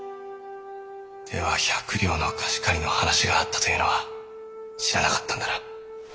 では百両の貸し借りの話があったというのは知らなかったんだな。